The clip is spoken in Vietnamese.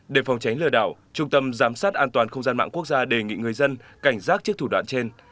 để phòng tránh lừa đảo trung tâm giám sát an toàn không gian mạng quốc gia đề nghị người dân cảnh giác trước thủ đoạn trên